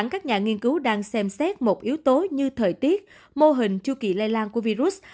các nhà nghiên cứu đang xem xét một yếu tố như thời tiết mô hình chu kỳ lây lan của virus